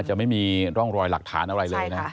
จะไม่มีร่องรอยหลักฐานอะไรเลยนะ